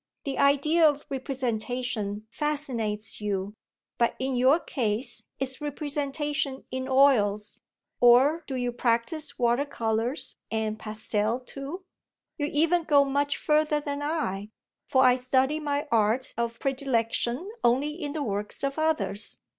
The idea of representation fascinates you, but in your case it's representation in oils or do you practise water colours and pastel too? You even go much further than I, for I study my art of predilection only in the works of others.